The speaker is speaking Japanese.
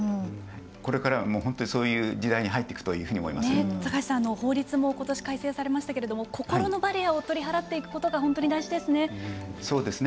これからはもう本当にそういう時代に入っていくと高橋さん、法律もことし改正されましたけれども心のバリアを取り払っていくことが本当に大事ですね。